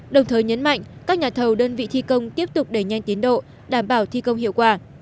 đồng thời nhấn mạnh các nhà thầu đơn vị thi công tiếp tục đẩy nhanh tiến độ đảm bảo thi công hiệu quả